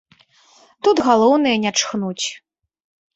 Тут галоўнае не чхнуць.